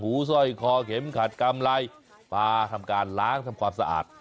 สร้อยคอเข็มขัดกำไรปลาทำการล้างทำความสะอาด